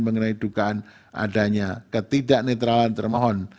mengenai dugaan adanya ketidaknetralan termohon